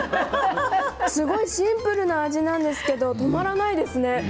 すごいシンプルな味なんですけど止まらないですね。